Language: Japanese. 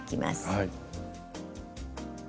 はい。